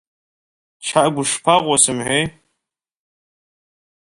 Чагә, ушԥаҟоу сымҳәеи?!